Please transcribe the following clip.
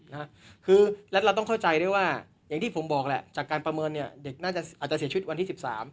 และเราต้องเข้าใจได้ว่าอย่างที่ผมบอกแหละจากการประเมินเนี่ยเด็กอาจจะเสียชุดวันที่๑๓